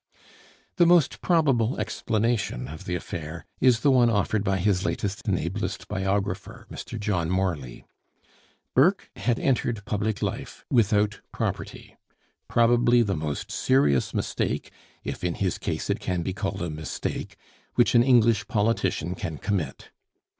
The most probable explanation of the affair is the one offered by his latest and ablest biographer, Mr. John Morley. Burke had entered public life without property, probably the most serious mistake, if in his case it can be called a mistake, which an English politician can commit.